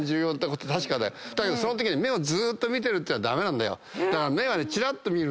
だけどそのときに目をずーっと見てるってのは駄目なんだよ。